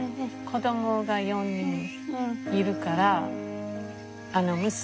子供が４人いるから娘